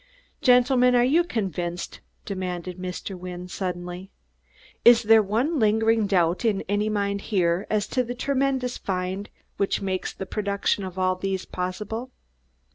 "Gentlemen, are you convinced?" demanded Mr. Wynne suddenly. "Is there one lingering doubt in any mind here as to the tremendous find which makes the production of all those possible?"